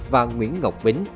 và nguyễn ngọc bính